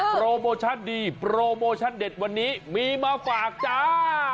โปรโมชั่นดีโปรโมชั่นเด็ดวันนี้มีมาฝากจ้า